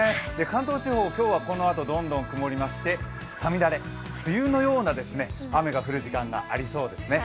関東地方、今日はこのあとどんどん曇りまして、五月雨、梅雨のような雨が降る時間がありそうですね。